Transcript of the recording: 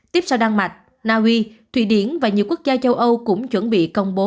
tiếp sau đan mạch naui thụy điển và nhiều quốc gia châu âu cũng chuẩn bị công bố